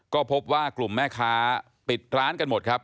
ก็พบว่ากลุ่มแม่ค้าปิดร้านกันหมดครับ